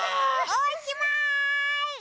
おしまい！